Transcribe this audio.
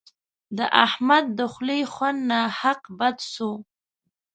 د احمد د خولې خوند ناحق بد سو.